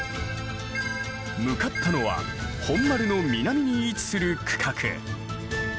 向かったのは本丸の南に位置する区画。